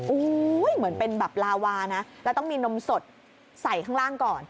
โอ้โหเหมือนเป็นแบบลาวานะแล้วต้องมีนมสดใส่ข้างล่างก่อน